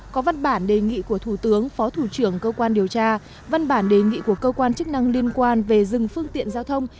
có văn bản đề nghị của thủ tướng phó thủ trưởng cơ quan điều tra văn bản đề nghị của cơ quan chức năng liên quan về dừng phương tiện giao thông